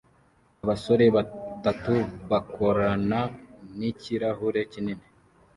Abasore batatu r bakorana nikirahure kinini